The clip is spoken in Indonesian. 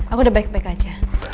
aku udah baik baik aja